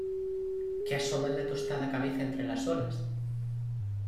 que asoman la tostada cabeza entre las olas